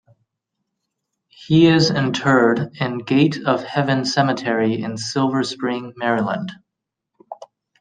He is interred in Gate of Heaven Cemetery in Silver Spring, Maryland.